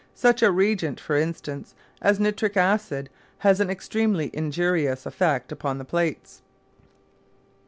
Such a reagent, for instance, as nitric acid has an extremely injurious effect upon the plates.